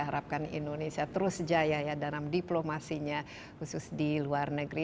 harapkan indonesia terus jaya ya dalam diplomasinya khusus di luar negeri